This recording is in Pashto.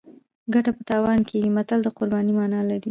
ګټه په تاوان کیږي متل د قربانۍ مانا لري